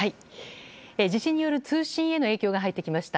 地震による通信への影響が入ってきました。